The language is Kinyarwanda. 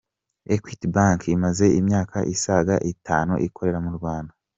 Equity Bank imaze imyaka isaga itanu ikorera mu Rwanda.